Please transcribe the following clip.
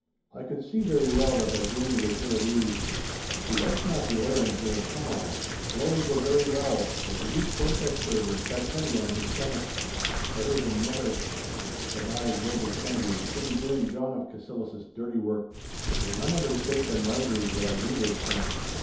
I could see very well that Bargany was ill at ease. He liked not the errand he had come on. Blows were very well, but to be process server sat heavy on his stomach. I heard him mutter,— 'That I, Gilbert Kennedy, should be doing John of Cassillis's dirty work! For none other sake than Marjorie's would I do this thing!